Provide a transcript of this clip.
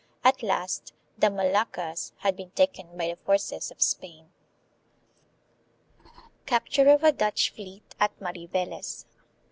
At last the Moluccas had been taken by the forces of Spain. Capture of a Dutch Fleet at Mariveles.